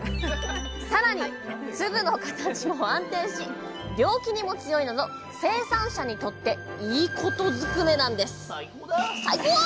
更に粒の形も安定し病気にも強いなど生産者にとっていいことづくめなんです最高だ！